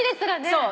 そう。